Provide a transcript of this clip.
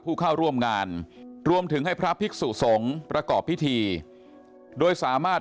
ผู้เข้าร่วมงานรวมถึงให้พระภิกษุสงฆ์ประกอบพิธีโดยสามารถ